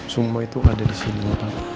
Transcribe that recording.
semua itu ada disini